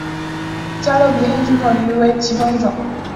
加勒比黑巨口鱼为辐鳍鱼纲巨口鱼目巨口鱼科的其中一种。